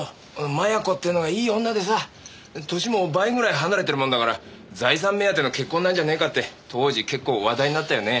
摩耶子ってのがいい女でさ歳も倍ぐらい離れてるもんだから財産目当ての結婚なんじゃねえかって当時結構話題になったよね。